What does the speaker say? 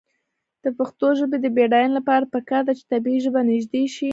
د پښتو ژبې د بډاینې لپاره پکار ده چې طبعي ژبه نژدې شي.